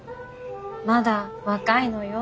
まだ若いのよ。